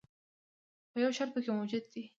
خو یو شرط پکې موجود دی.